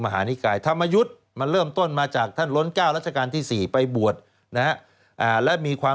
ฮ่าฮ่าฮ่าฮ่าฮ่าฮ่าฮ่า